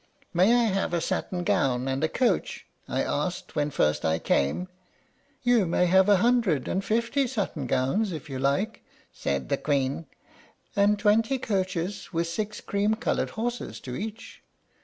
'May I have a satin gown and a coach?' I asked, when first I came. 'You may have a hundred and fifty satin gowns if you like,' said the Queen, 'and twenty coaches with six cream colored horses to each.'